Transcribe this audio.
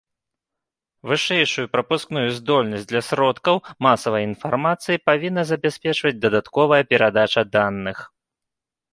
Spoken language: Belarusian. Вышэйшую прапускную здольнасць для сродкаў масавай інфармацыі павінна забяспечваць дадатковая перадача даных.